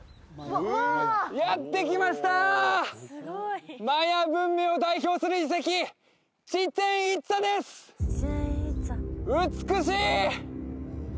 やって来ましたマヤ文明を代表する遺跡美しい！